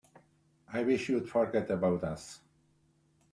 I wish you'd forget about us.